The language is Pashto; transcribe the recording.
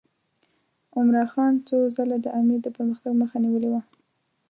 عمرا خان څو ځله د امیر د پرمختګ مخه نیولې وه.